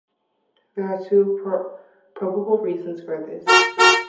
There are two probable reasons for this.